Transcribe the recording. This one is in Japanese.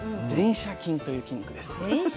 前斜筋という筋肉です。